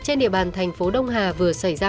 trên địa bàn tp đông hà vừa xảy ra